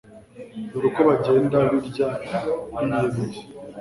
dore uko bagenda birya biyemeye